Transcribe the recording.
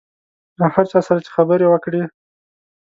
هر چا سره چې خبره وکړې.